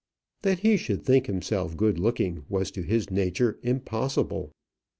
That he should think himself good looking, was to his nature impossible.